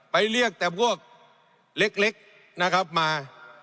ไปเรียกแต่พวกเล็กนะครับมา